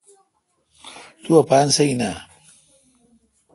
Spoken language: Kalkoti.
تو اپان سہ این اؘ